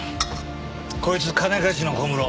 こいつ金貸しの小室。